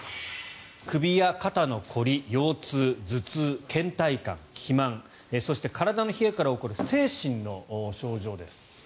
首や肩の凝り、腰痛、頭痛けん怠感、肥満そして、体の冷えから起こる精神の症状です。